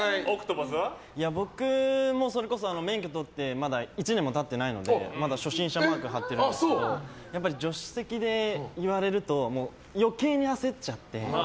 僕もそれこそ免許取ってまだ１年もたってないのでまだ初心者マーク貼ってるんですけど助手席で言われると余計に焦っちゃって。